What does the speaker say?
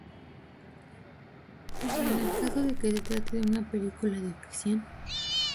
Y en el caso de que se trate de una película de ficción.